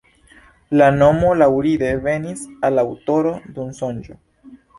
La nomo laŭdire venis al la aŭtoro dum sonĝo.